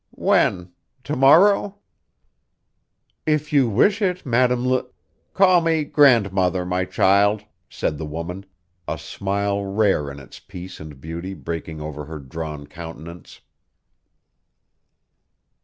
"When? To morrow?" "If you wish it, Madam L " "Call me grandmother, my child," said the woman, a smile rare in its peace and beauty breaking over her drawn countenance.